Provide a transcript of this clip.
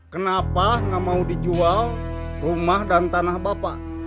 kenapa nggak mau dijual rumah dan tanah bapak